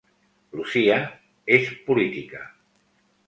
Lucía és política